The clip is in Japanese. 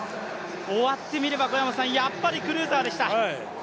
終わってみればやっぱりクルーザーでした。